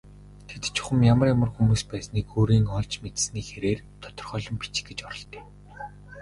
Тэд чухам ямар ямар хүмүүс байсныг өөрийн олж мэдсэний хэрээр тодорхойлон бичих гэж оролдъё.